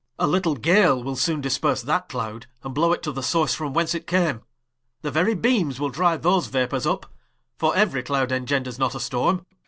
A little gale will soone disperse that Cloud, And blow it to the Source from whence it came, Thy very Beames will dry those Vapours vp, For euery Cloud engenders not a Storme Rich.